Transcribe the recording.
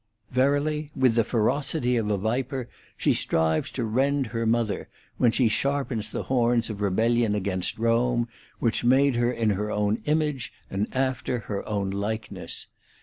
Verily with the ferocity of a viper she strives to rend her mother, when she sharpens the horns of rebellion against Kome, which made her in her own image and after her own likeness.